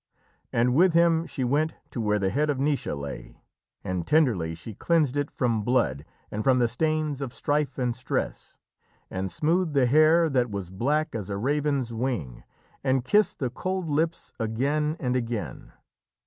And with him she went to where the head of Naoise lay, and tenderly she cleansed it from blood and from the stains of strife and stress, and smoothed the hair that was black as a raven's wing, and kissed the cold lips again and again.